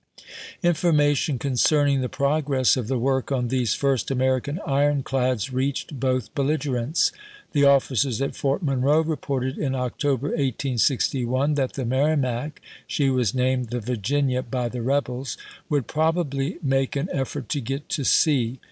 Information concerning the progress of the work on these first American ironclads reached both belligerents. The officers at Fort Monroe reported gYd ^scom, ill October, 1861, that the Merrimac (she was named oct^6,^i86i. ^j^^ Virginia by the rebels) would probably make P.C20." an effort to get to sea.